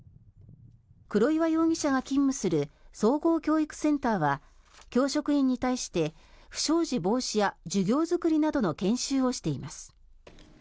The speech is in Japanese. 黒岩容疑者が勤務する総合教育センターは教職員に対して不祥事防止や授業作りなどの研修をしています。